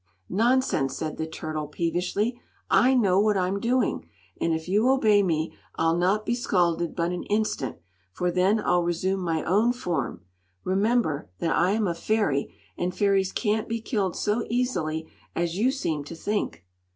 "Nonsense!" said the turtle, peevishly. "I know what I'm doing, and if you obey me I'll not be scalded but an instant; for then I'll resume my own form. Remember that I'm a fairy, and fairies can't be killed so easily as you seem to think."